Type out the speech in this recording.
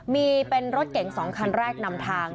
มีเป็นรถเก๋ง๒คันแรกนำทาง